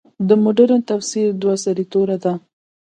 د مډرن تفسیر دوه سرې توره ده.